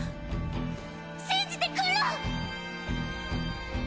信じてくんろ！